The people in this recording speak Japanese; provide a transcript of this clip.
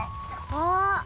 あっ！